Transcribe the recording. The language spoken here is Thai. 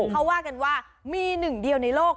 เขาว่ากันว่ามีหนึ่งเดียวในโลก